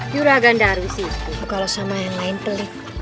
juragan darwish itu kalau sama yang lain pelit